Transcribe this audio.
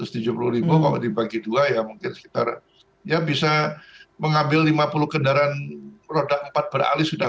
kalau dibagi dua ya mungkin sekitar ya bisa mengambil lima puluh kendaraan roda empat beralih sudah